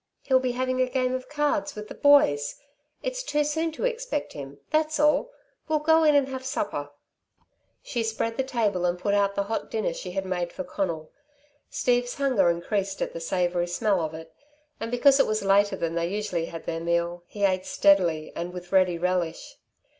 "He'll be having a game of cards with the boys. It's too soon to expect him, that's all. We'll go in and have supper." She spread the table and put out the hot dinner she had made for Conal. Steve's hunger increased at the savoury smell of it, and because it was later than they usually had their meal, he ate steadily and with ready relish.